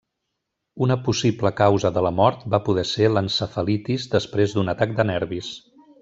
Una possible causa de la mort va poder ser l'encefalitis després d'un atac de nervis.